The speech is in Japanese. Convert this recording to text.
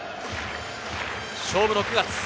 勝負の９月。